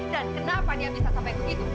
dan kenapa dia bisa sampai begitu